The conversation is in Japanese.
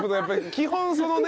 基本そのね。